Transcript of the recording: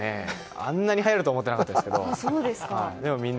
あんなに、はやるとは思っていなかったんですけど。